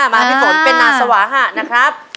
มาพี่ฝนเป็นนางสวาหะนะครับ